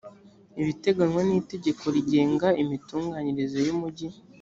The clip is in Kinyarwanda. ibiteganywa n’itegeko rigenga imitunganyirize y’umujyi